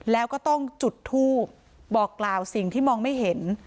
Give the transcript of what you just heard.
แล้วก็ต้องจุดทูบบอกกล่าวสิ่งที่มองไม่เห็น